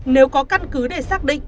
nếu có căn cứ để xác định